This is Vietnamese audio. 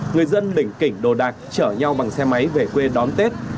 người dân lỉnh kỉnh đồ đạc chở nhau bằng xe máy về quê đón tết